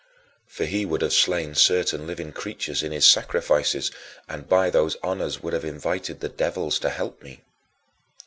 For he would have slain certain living creatures in his sacrifices, and by those honors would have invited the devils to help me.